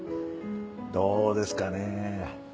どうですかねぇ？